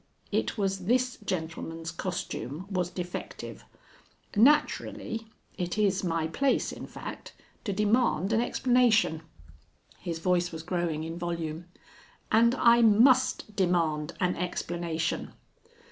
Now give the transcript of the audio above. It was this gentleman's costume was defective. Naturally it is my place in fact to demand an explanation." His voice was growing in volume. "And I must demand an explanation."